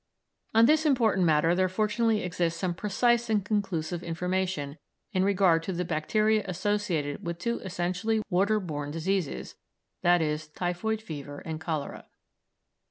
On this important matter there fortunately exists some precise and conclusive information in regard to the bacteria associated with two essentially water borne diseases, i.e. typhoid fever and cholera.